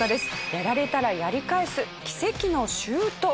やられたらやり返す奇跡のシュート。